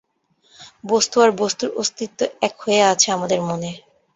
বস্তু আর বস্তুর অস্তি ত্ব এক হইয়া আছে আমাদের মনে।